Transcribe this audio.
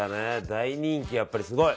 大人気、やっぱりすごい。